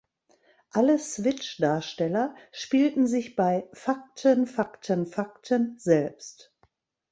Alle "Switch"-Darsteller spielten sich bei "Fakten, Fakten, Fakten" selbst.